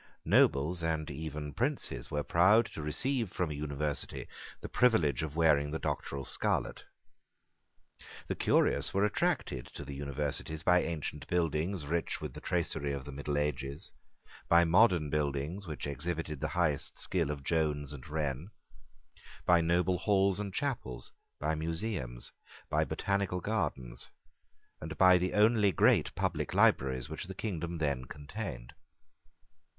Nobles and even princes were proud to receive from an University the privilege of wearing the doctoral scarlet. The curious were attracted to the Universities by ancient buildings rich with the tracery of the middle ages, by modern buildings which exhibited the highest skill of Jones and Wren, by noble halls and chapels, by museums, by botanical gardens, and by the only great public libraries which the kingdom then contained.